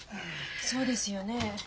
そうですよね。